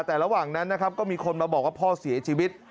แต่ระหว่างนั้นนะครับก็มีคนมาบอกว่าพ่อเสียชีวิต